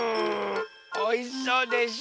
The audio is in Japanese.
おいしそうでしょ？